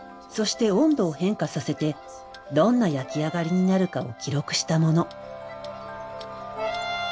そして温度を変化させてどんな焼き上がりになるかを記録したもの。